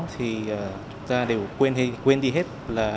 thì chúng ta đều quên đi hết